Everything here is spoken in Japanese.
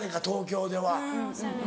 東京では。